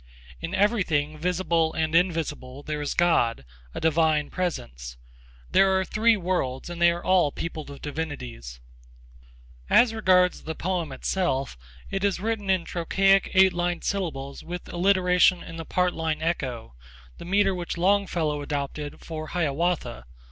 In everything, visible and invisible, there is God, a divine presence. There are three worlds, and they are all peopled with divinities. As regards the poem itself, it is written in trochaic eight syllabled lines with alliteration and the part line echo, the metre which Longfellow adopted for Hiawatha.